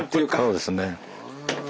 そうですね。